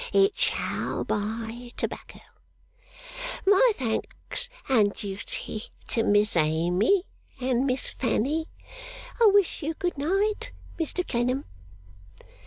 It shall buy tobacco. My thanks and duty to Miss Amy and Miss Fanny. I wish you good night, Mr Clennam.